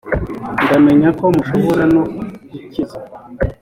ndamenya ko mushobora no gukiza